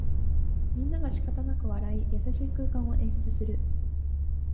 みんながしかたなく笑い、優しい空間を演出する